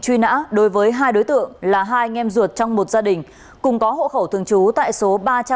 truy nã đối với hai đối tượng là hai anh em ruột trong một gia đình cùng có hộ khẩu thường trú tại số ba trăm ba mươi